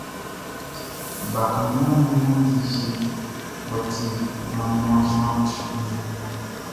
Bakannganʼm be wanndi fie mʼɔ ti mlanmlanmlanʼn nun.